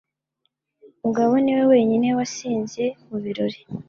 Mugabo niwe wenyine wasinze mu birori.